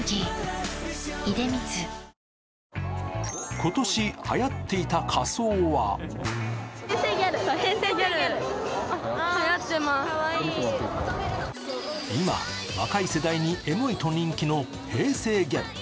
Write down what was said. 今年、はやっていた仮装は今、若い世代にエモいと話題の平成ギャル。